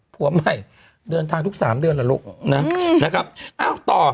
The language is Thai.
ผัวใหม่เดินทางทุกสามเดือนเหรอลูกนะนะครับอ้าวต่อ